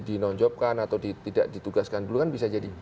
dinonjobkan atau tidak ditugaskan dulu kan bisa jadi